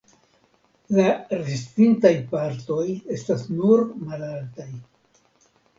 La restintaj partoj estas nur malaltaj.